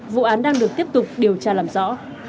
vụ án đang được tiếp tục điều tra làm rõ